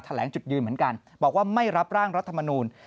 แหลงจุดยืนเหมือนกันบอกว่าไม่รับร่างรัฐมนูล